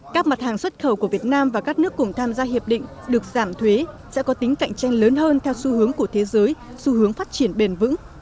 các mặt hàng xuất khẩu của việt nam và các nước cùng tham gia hiệp định được giảm thuế sẽ có tính cạnh tranh lớn hơn theo xu hướng của thế giới xu hướng phát triển bền vững